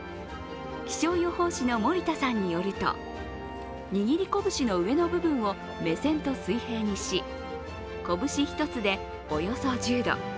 気象予報士の森田さんによると、握り拳の上の部分を目線と水平にし拳１つでおよそ１０度。